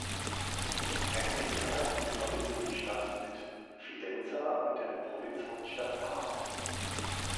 Ein Regionalzug verbindet die Stadt mit Fidenza und der Provinzhauptstadt Parma.